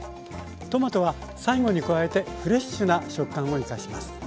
トマトは最後に加えてフレッシュな食感を生かします。